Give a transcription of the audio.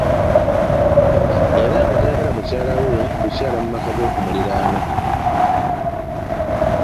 Era nga tayagala mukyala we kukyaala mu maka g'okumirirwano.